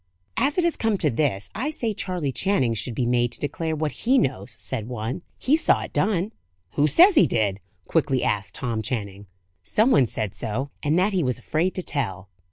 "As it has come to this, I say Charley Channing should be made to declare what he knows," said one. "He saw it done!" "Who says he did?" quickly asked Tom Channing. "Some one said so; and that he was afraid to tell."